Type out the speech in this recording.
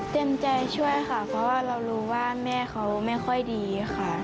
ใจช่วยค่ะเพราะว่าเรารู้ว่าแม่เขาไม่ค่อยดีค่ะ